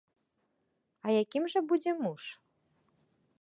А якім жа будзе муж?